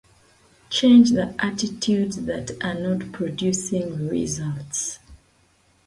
Barthelme was also quite interested in and influenced by a number of contemporary artists.